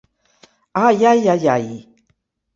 Ai, ai, ai, ai!